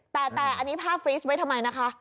แต่อันนี้ภาพฟรีสไว้ทำไมนะคะ